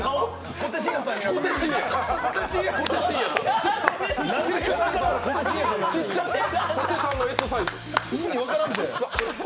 小手さんのＳサイズ。